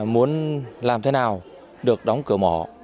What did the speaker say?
muốn làm thế nào được đóng cửa mỏ